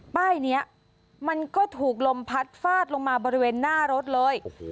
ป้ายนี้มันก็ถูกลมพัดฟาดลงมาบริเวณหน้ารถเลย